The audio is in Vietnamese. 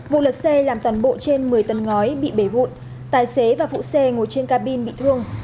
vụ lật xe làm toàn bộ trên một mươi tấn ngói bị bể tài xế và phụ xe ngồi trên cabin bị thương